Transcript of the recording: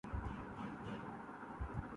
مفت ہاتھ آئے تو برا کیا ہے